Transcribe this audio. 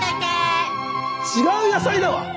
違う野菜だわ。